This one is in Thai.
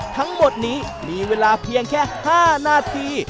ทั้งหมดนี้มีเวลาเพียงแค่๕นาที